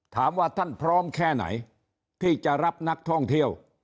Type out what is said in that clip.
ถามว่าท่านพร้อมแค่ไหนที่จะรับนักท่องเที่ยว